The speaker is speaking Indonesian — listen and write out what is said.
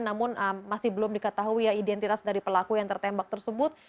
namun masih belum diketahui ya identitas dari pelaku yang tertembak tersebut